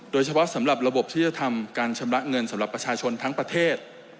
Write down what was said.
สำหรับระบบที่จะทำการชำระเงินสำหรับประชาชนทั้งประเทศ